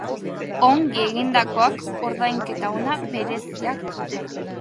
Ongi egindakoak ordainketa ona bereziak dute